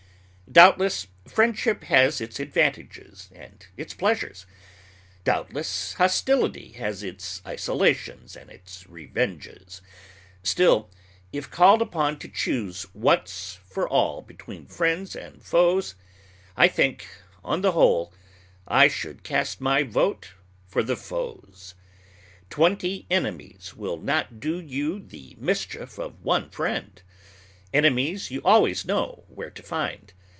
Doubtless friendship has its advantages and its pleasures; doubtless hostility has its isolations and its revenges; still, if called upon to choose once for all between friends and foes, I think, on the whole, I should cast my vote for the foes. Twenty enemies will not do you the mischief of one friend. Enemies you always know where to find.